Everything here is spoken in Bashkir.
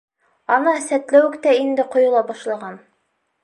Ана сәтләүек тә инде ҡойола башлаған.